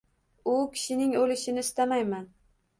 U kishining oʻlishini istamayman